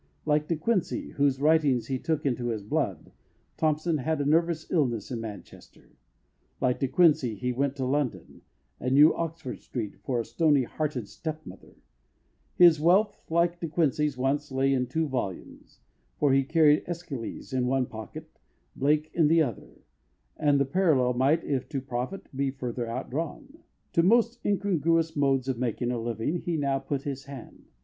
Like De Quincey, whose writings he took into his blood, Thompson had a nervous illness in Manchester; like De Quincey he went to London, and knew Oxford Street for a stony hearted stepmother; his wealth, like De Quincey's once, lay in two volumes, for he carried Æschylus in one pocket, Blake in the other; and the parallel might, if to profit, be further outdrawn. To most incongruous modes of making a living he now put his hand.